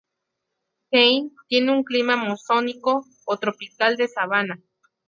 Thane tiene un clima monzónico o tropical de sabana.